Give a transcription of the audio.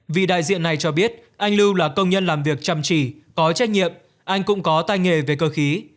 vì đại diện này cho biết anh lưu là công nhân làm việc chăm chỉ có trách nhiệm anh cũng có tay nghề về cơ khí